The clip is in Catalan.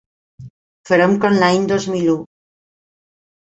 Farem com l'any dos mil u.